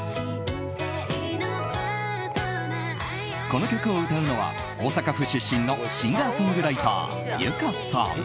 この曲を歌うのは大阪府出身のシンガーソングライター有華さん。